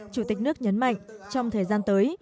chủ tịch nước nhấn mạnh trong thời gian tới